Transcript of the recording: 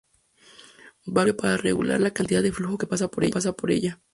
Válvula que sirve para regular la cantidad de flujo que pasa por ella.